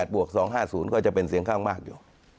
บวก๒๕๐ก็จะเป็นเสียงข้างมากอยู่